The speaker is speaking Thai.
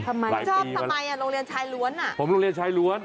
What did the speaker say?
ไม่ชอบทำไมอ่ะโรงเรียนชายล้วนอ่ะผมโรงเรียนชายล้วน